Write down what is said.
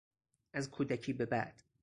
از کودکی به بعد